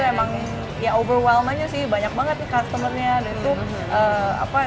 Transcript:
emang ya overwhelming sih banyak banget nih customer nya